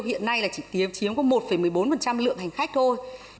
hiện nay là chỉ chiếm có một một mươi bốn lượng hành khách thôi